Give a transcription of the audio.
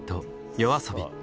ＹＯＡＳＯＢＩ。